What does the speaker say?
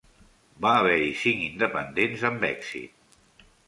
Va haver-hi cinc independents amb èxit.